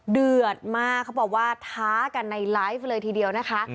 เดือดมากเขาบอกว่าท้ากันในไลฟ์เลยทีเดียวนะคะ